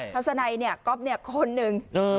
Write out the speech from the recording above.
ทัศนัยก็คนหนึ่ง